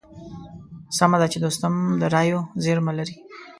سمه ده چې دوستم د رايو زېرمه لري.